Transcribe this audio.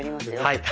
はい。